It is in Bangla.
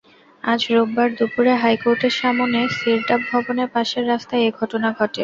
আজ রোববার দুপুরে হাইকোর্টের সামনে সিরডাপ ভবনের পাশের রাস্তায় এ ঘটনা ঘটে।